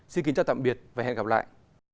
xin kính chào tạm biệt và hẹn gặp lại